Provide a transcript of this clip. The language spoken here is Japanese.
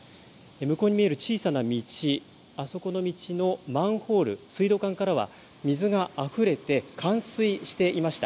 向こうに見える小さな道、あそこの道のマンホール、水道管からは水があふれて冠水していました。